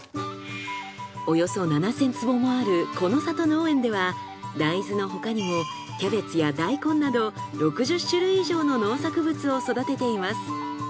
およそ７，０００坪もある木の里農園では大豆のほかにもキャベツや大根など６０種類以上の農作物を育てています。